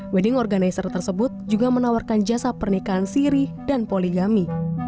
wedding organizer tersebut juga menawarkan jasa pernikahan siri dan poligami